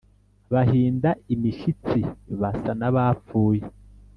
bahinda imishitsi basa n’abapfuye